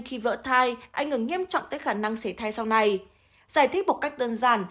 khi vỡ thai ảnh hưởng nghiêm trọng tới khả năng xảy thai sau này giải thích một cách đơn giản